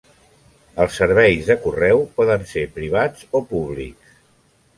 Els serveis de correu poden ser privats o públics.